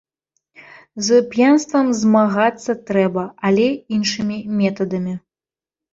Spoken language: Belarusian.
З п'янствам змагацца трэба, але іншымі метадамі.